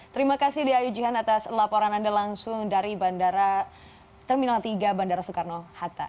terima kasih diayujihan atas laporan anda langsung dari terminal tiga bandara soekarno hatta